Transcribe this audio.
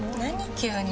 急に。